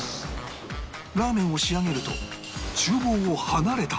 ラーメンを仕上げると厨房を離れた